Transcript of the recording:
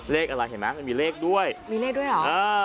เลขอะไรเห็นมั้ยมันมีเลขด้วยมีเลขด้วยหรอ